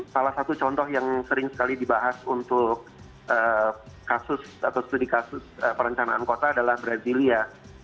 salah satu contoh yang sering sekali dibahas untuk kasus perencanaan kota adalah brasilia